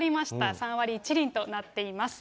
３割１厘となっています。